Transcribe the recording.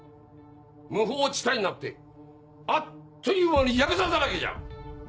無法地帯になってあっという間にヤクザだらけじゃ！